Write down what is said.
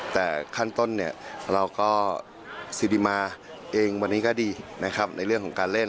แต่ขั้นต้นเนี่ยเราก็สิริมาเองวันนี้ก็ดีนะครับในเรื่องของการเล่น